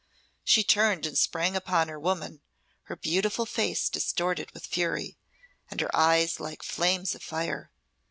She turned and sprang upon her woman, her beautiful face distorted with fury, and her eyes like flames of fire.